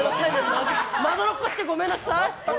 まどろっこしくてごめんなさい。